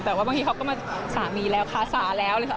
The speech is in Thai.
แต่ว่าบางทีเขาก็มาสามีแล้วคาสาแล้ว